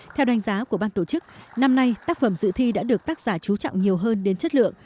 theo đánh giá của ban tổ chức năm nay tác phẩm dự thi đã được tác giả trú trọng nhiều hơn đến chất lượng